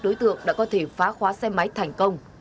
đối tượng đã có thể phá khóa xe máy thành công